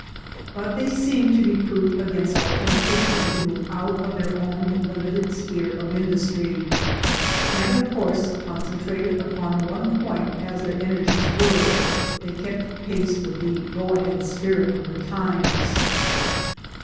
But they seemed to be proof against all temptation to move out of their own limited sphere of industry, and of course, con centrated upon one point as their energies were, they kept pace with the go ahead spirit of the times.